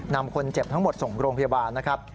นำคนเจ็บทั้งหมดส่งโรงพยาบาลนะครับ